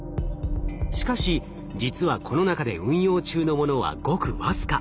しかし実はこの中で運用中のものはごく僅か。